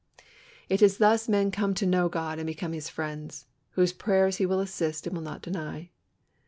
It is thus men come to know God and become His friends, whose prayers He will assist and will not deny.